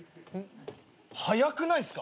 早くないっすか？